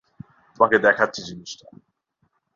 তোমাকে দেখাচ্ছি জিনিসটা।